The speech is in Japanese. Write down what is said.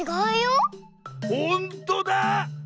ほんとだ！